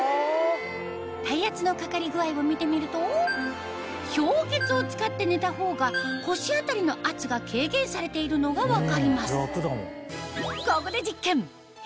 体圧のかかり具合を見てみると氷結を使って寝たほうが腰辺りの圧が軽減されているのが分かります